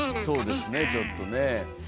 そうですねちょっとね。